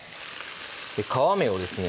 皮目をですね